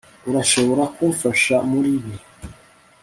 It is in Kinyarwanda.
Urashobora kumfasha muribi